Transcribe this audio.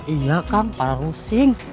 iya kang parah pusing